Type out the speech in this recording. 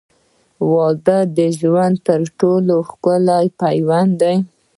• واده د ژوند تر ټولو ښکلی پیوند دی.